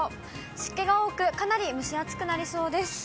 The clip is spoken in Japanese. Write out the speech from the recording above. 湿気が多く、かなり蒸し暑くなりそうです。